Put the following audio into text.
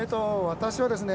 私はですね